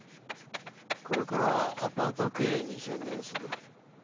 これからアパート経営に専念する。